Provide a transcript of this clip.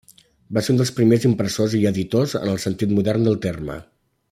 Va ser un dels primers impressors i editors en el sentit modern del terme.